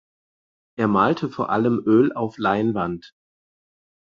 Er malte vor allem Öl auf Leinwand.